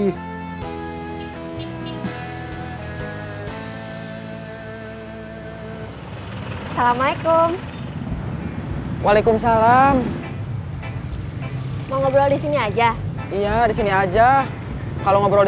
hai salamualaikum waalaikumsalam mau ngobrol di sini aja iya di sini aja kalau ngobrol di